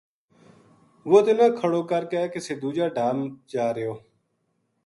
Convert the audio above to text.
وہ تنا کھڑو کر کے کسے دوجا ڈھا جا رہیو